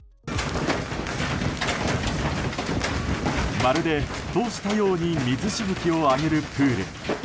まるで沸騰したように水しぶきを上げるプール。